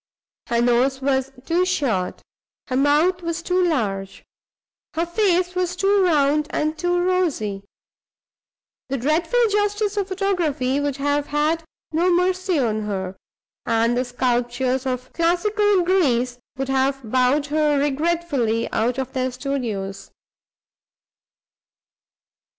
Her nose was too short, her mouth was too large, her face was too round and too rosy. The dreadful justice of photography would have had no mercy on her; and the sculptors of classical Greece would have bowed her regretfully out of their studios.